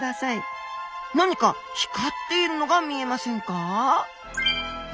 何か光っているのが見えませんか？